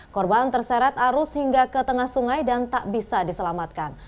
korban terseret arus hingga ke tengah sungai dan tak bisa diselamatkan